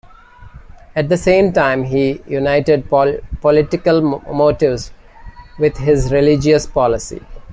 At the same time, he united political motives with his religious policy.